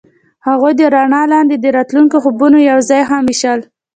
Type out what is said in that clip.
هغوی د رڼا لاندې د راتلونکي خوبونه یوځای هم وویشل.